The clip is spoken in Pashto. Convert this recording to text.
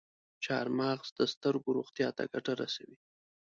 چارمغز د سترګو روغتیا ته ګټه رسوي.